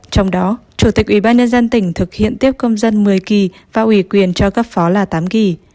trong đó chủ tịch ủy ban nhân dân tỉnh thực hiện tiếp công dân một mươi kỳ và ủy quyền cho cấp phó là tám kỳ